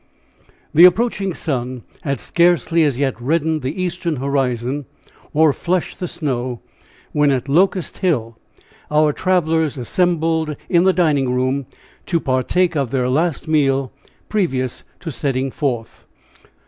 The approaching sun had scarcely as yet reddened the eastern horizon, or flushed the snow, when at Locust Hill our travelers assembled in the dining room, to partake of their last meal previous to setting forth.